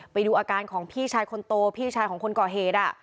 ไปดูอาการของพี่ชายคนโตพี่ชายของคนก่อเหตุ